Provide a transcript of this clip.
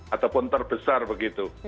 ataupun terbesar begitu